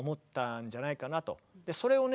それをね